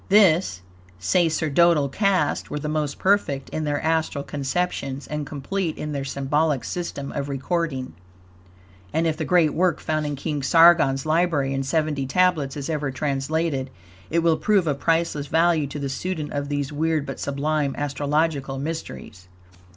This sacerdotal caste were the most perfect in their astral conceptions and complete in their symbolic system of recording, and if the great work found in King Sargon's library in seventy tablets is ever translated, it will prove of priceless value to the student of these weird, but sublime, astrological mysteries.